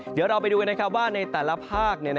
เดี๋ยวเราไปดูกันว่าในแต่ละภาค